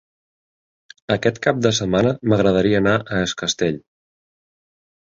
Aquest cap de setmana m'agradaria anar a Es Castell.